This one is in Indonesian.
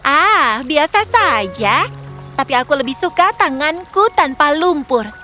ah biasa saja tapi aku lebih suka tanganku tanpa lumpur